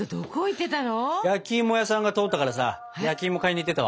焼き芋屋さんが通ったからさ焼き芋買いに行ってきたわ。